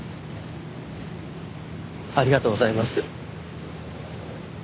ありがとうございます。